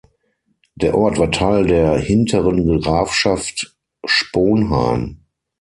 Der Ort war Teil der Hinteren Grafschaft Sponheim.